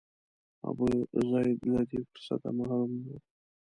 ابوزید له دې فرصته محروم و.